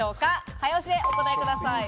早押しでお答えください。